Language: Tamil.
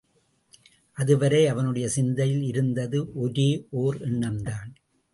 அதுவரை அவனுடைய சிந்தையில் இருந்தது ஒரே ஒர் எண்ணம்தான்.